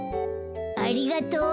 ありがとう。